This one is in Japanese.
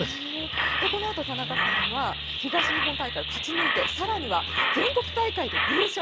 このあと、田中さんは東日本大会を勝ち抜いてさらには全国大会で優勝。